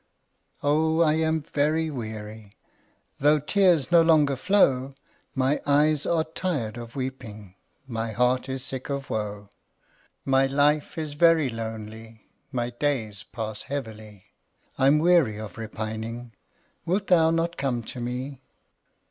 Oh, I am very weary, Though tears no longer flow; My eyes are tired of weeping, My heart is sick of woe; My life is very lonely My days pass heavily, I'm weary of repining; Wilt thou not come to me?